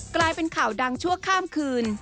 กลายเป็นข่าวดังชั่วข้ามคืน